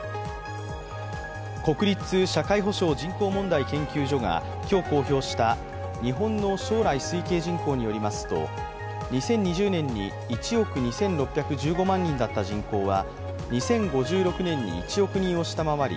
国立社会保障・人口問題研究所が今日公表した日本の将来推計人口によりますと２０２０年に１億２６１４万人だった人口は２０５６年に１億人を下回り